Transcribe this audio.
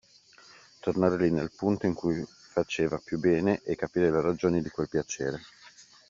Tornare lì nel punto in cui faceva più bene e capire le ragioni di quel piacere.